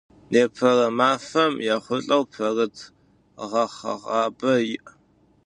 Непэрэ мафэм ехъулӏэу Пэрыт гъэхъэгъабэ иӏ.